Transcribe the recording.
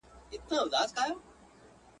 نیمه تنه یې سوځېدلې ده لا شنه پاته ده.